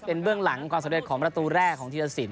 เป็นเบื้องหลังความสำเร็จของประตูแรกของธีรสิน